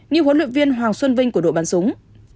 như huấn luyện viên hoàng xuân vinh của đội bắn súng